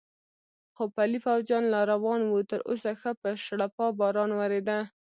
خو پلی پوځیان لا روان و، تراوسه ښه په شړپا باران ورېده.